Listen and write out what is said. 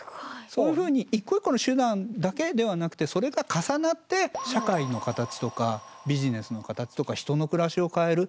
そういうふうに一個一個の手段だけではなくてそれが重なって社会の形とかビジネスの形とか人の暮らしを変える。